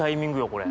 これ。